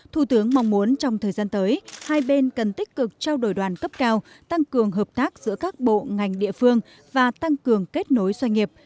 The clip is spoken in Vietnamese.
thủ tướng mong muốn trong thời gian tới hai bên cần tích cực trao đổi đoàn cấp cao tăng cường hợp tác giữa các bộ ngành địa phương và tăng cường kết nối doanh nghiệp